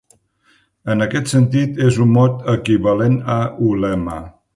En aquest sentit, és un mot equivalent a ulema.